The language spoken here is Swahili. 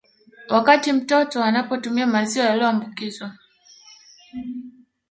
Wakati mtoto anapotumia maziwa yaliambukizwa